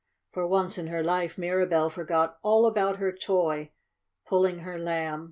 For once in her life Mirabell forgot all about her toy, pulling her Lamb.